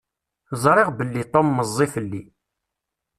Ẓṛiɣ belli Tom meẓẓi fell-i.